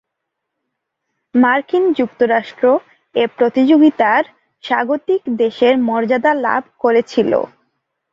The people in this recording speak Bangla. মার্কিন যুক্তরাষ্ট্র এ প্রতিযোগিতার স্বাগতিক দেশের মর্যাদা লাভ করেছিল।